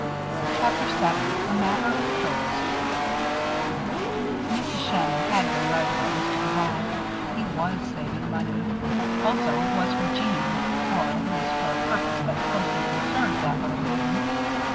CHAPTER VII A MATTER OF COATS Mrs. Shannon had been right about Mr. Duval. He was saving money. Also, it was for Jeanne; or, at least, for a purpose that closely concerned that little maiden.